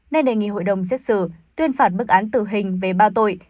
nên đề nghị hội đồng xét xử tuyên phạt bức án tử hình về ba tội